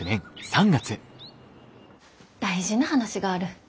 大事な話がある。